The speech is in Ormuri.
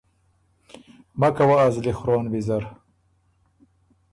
مکه وه ازلی خرون ویزر۔